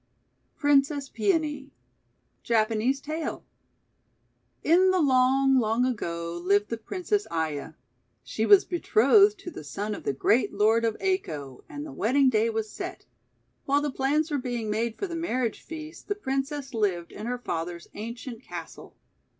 PRINCESS PEONY Japanese Tale IN the long, long ago lived the Princess Aya. She was betrothed to the son of the great Lord of Ako, and the wedding day was set. While the plans were being made for the marriage feast, the Princess lived in her father's ancient castle.